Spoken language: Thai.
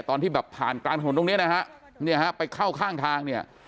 ตอนที่แบบผ่านกลางถนนตรงเนี้ยนะฮะเนี่ยฮะไปเข้าข้างทางเนี่ย